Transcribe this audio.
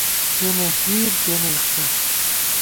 کېنے ہِیر کېنے اختر